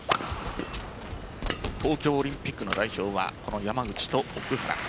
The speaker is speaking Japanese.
東京オリンピックの代表は山口と奥原。